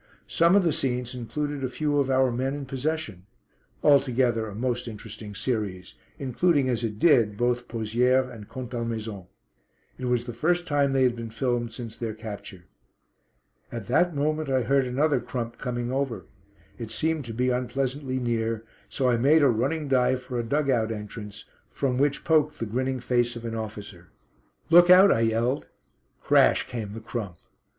Some of the scenes included a few of our men in possession. Altogether a most interesting series, including as it did both Pozières and Contalmaison. It was the first time they had been filmed since their capture. At that moment I heard another crump coming over. It seemed to be unpleasantly near, so I made a running dive for a dug out entrance, from which poked the grinning face of an officer. "Look out," I yelled. Crash came the crump.